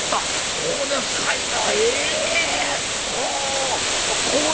そうですかいな。